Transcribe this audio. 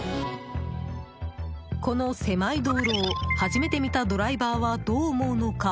この狭い道路を初めて見たドライバーはどう思うのか。